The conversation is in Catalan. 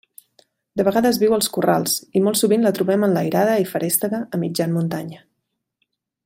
De vegades viu als corrals i molt sovint la trobem enlairada i feréstega a mitjan muntanya.